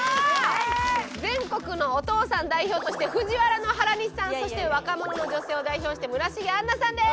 全国のお父さん代表としてＦＵＪＩＷＡＲＡの原西さんそして若者の女性を代表して村重杏奈さんです。